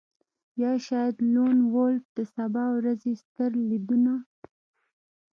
یا شاید لون وولف د سبا ورځې ستر لیدونه